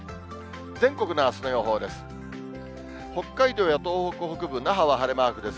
全国のあすの予報です。